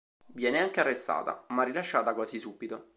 Viene anche arrestata, ma rilasciata quasi subito.